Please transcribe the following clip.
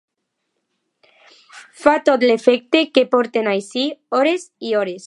Fa tot l'efecte que porten així hores i hores.